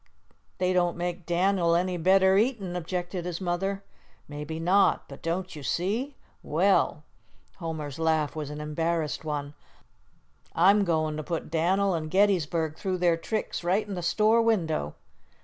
"They don't make Dan'l any better eatin'," objected his mother. "Maybe not. But don't you see? Well!" Homer's laugh was an embarrassed one. "I'm goin' to put Dan'l an' Gettysburg through their tricks right in the store window."